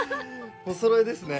おそろいですね。